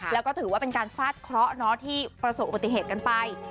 แล้วก็ถือว่าเป็นการฟาดเคราะห์ที่ประสบอุบัติเหตุกันไป